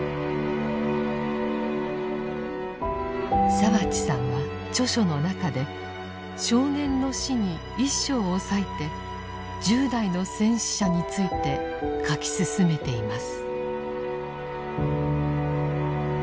澤地さんは著書の中で「少年の死」に１章を割いて１０代の戦死者について書き進めています。